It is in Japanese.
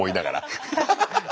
ハハハハハ。